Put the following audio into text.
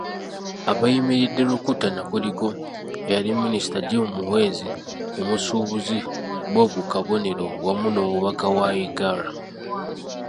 Abeeyimiridde Rukutana kuliko; eyali Minisita Jim Muhwezi, omusuubuzi Bob Kabonero wamu n'Omubaka wa Igara.